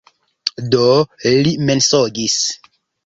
Do, li mensogis.